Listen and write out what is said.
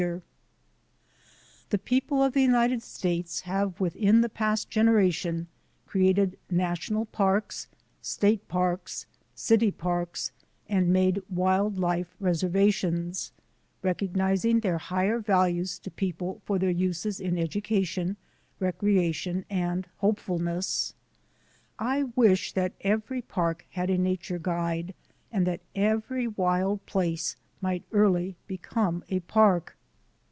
x PREFACE The people of the United States have within the past generation created national parks, state parks, city parks, and made wild life reservations, recognizing their higher values to people, for their uses in education, recreation, and hopefulness. I wish that every park had a nature guide and that every wild place might early become a park.